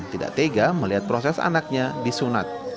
tidak tega melihat proses anaknya disunat